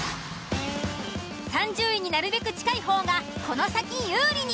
３０位になるべく近い方がこの先有利に。